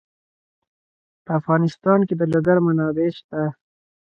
په افغانستان کې د لوگر منابع شته.